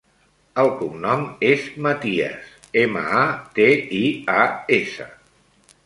El cognom és Matias: ema, a, te, i, a, essa.